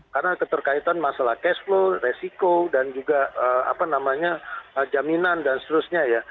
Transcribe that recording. karena keterkaitan masalah cash flow resiko dan juga apa namanya jaminan dan seterusnya ya